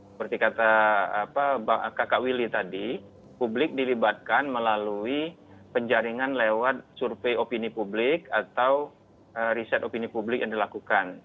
seperti kata willy tadi publik dilibatkan melalui penjaringan lewat survei opini publik atau riset opini publik yang dilakukan